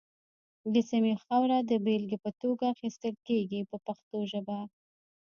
د سیمې خاوره د بېلګې په توګه اخیستل کېږي په پښتو ژبه.